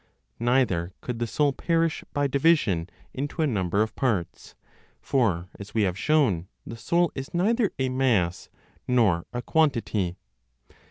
Neither could the soul perish by division into a number of parts; for, as we have shown, the soul is neither a mass nor a quantity.